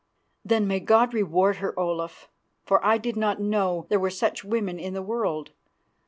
"Then may God reward her, Olaf, for I did not know there were such women in the world.